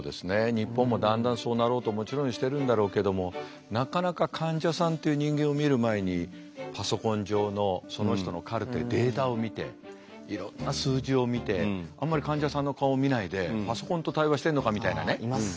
日本もだんだんそうなろうともちろんしてるんだろうけどもなかなか患者さんっていう人間を見る前にパソコン上のその人のカルテデータを見ていろんな数字を見てあんまり患者さんの顔を見ないでパソコンと対話してんのかみたいなね。あいます。